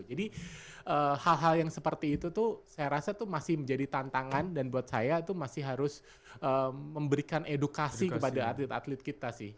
jadi hal hal yang seperti itu tuh saya rasa tuh masih menjadi tantangan dan buat saya tuh masih harus memberikan edukasi kepada atlet atlet kita sih